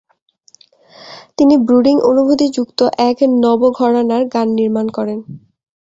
তিনি ব্রুডিং অনুভূতি যুক্ত এক নব ঘরানার গান নির্মাণ করেন।